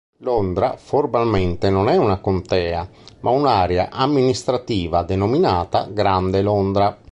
Londra formalmente non è una contea ma un'area amministrativa, denominata "Grande Londra".